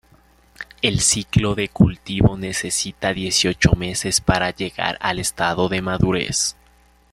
El ciclo de cultivo necesita dieciocho meses para llegar al estado de madurez.